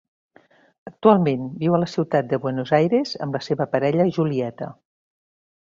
Actualment, viu a la Ciutat de Buenos Aires, amb la seva parella Julieta.